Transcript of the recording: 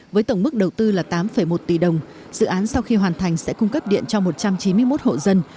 với tổng mức đầu tư là tám một tỷ đồng dự án sau khi hoàn thành sẽ cung cấp điện cho một trăm chín mươi một hộ dân